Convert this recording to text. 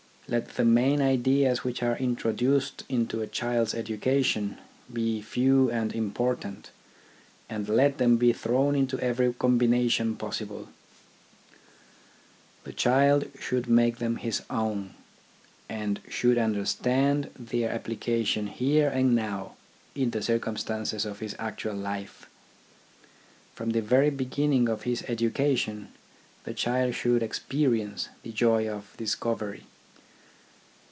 Let the main ideas which are intro duced into a child's education be few and im portant, and let them be thrown into every combination possible. The child should make them his own, and should understand their application here and now in the circumstances of his actual life. From the very beginning of his education, the child should experience the joy of discovery.